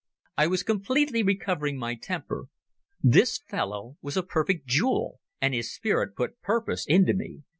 I was completely recovering my temper. This fellow was a perfect jewel, and his spirit put purpose into me.